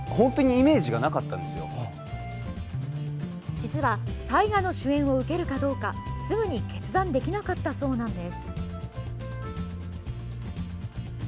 実は、大河の主演を受けるかどうかすぐに決断できなかったそうなんです。